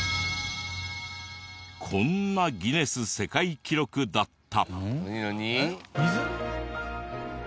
こんなギネス世界記録だった。